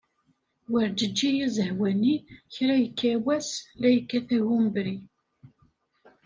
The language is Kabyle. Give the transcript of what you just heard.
Werǧeǧǧi azehwani, kra yekka wass la yekkat agumbri.